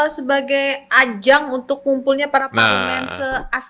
sebagai ajang untuk kumpulnya para parlemen asean